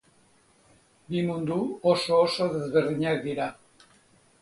Bi mundu oso-oso ezberdinak dira.